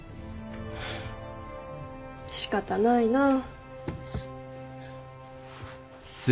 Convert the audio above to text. しかたないなあ。